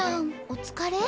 お疲れ？